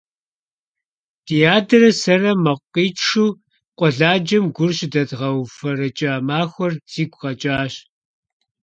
Ди адэрэ сэрэ мэкъу къитшу къуэладжэм гур щыдэдгъэуфэрэкӏа махуэр сигу къэкӏижащ.